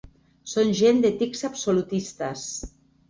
Són gent de tics absolutistes.